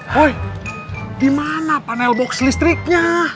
boy dimana panel box listriknya